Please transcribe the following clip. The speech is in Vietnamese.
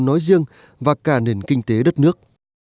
nói riêng và cả nền kinh tế đất nước